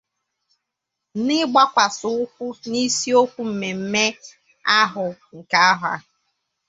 N'ịgbakwàsà ụkwụ n'isiokwu mmemme ahụ nke ahọ a